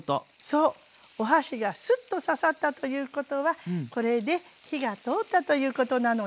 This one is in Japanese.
そうお箸がスッと刺さったということはこれで火が通ったということなのね。